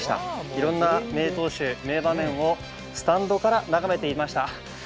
いろんな名投手、名場面をスタンドから眺めていました。